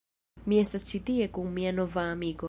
Mi estas ĉi tie kun mia nova amiko